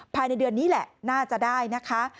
ภายในเดือนนี้แหละน่าจะได้นะคะ